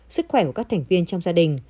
sức khỏe của các thành viên trong gia đình